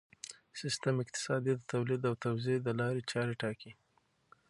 سیستم اقتصادي د تولید او توزیع د لارې چارې ټاکي.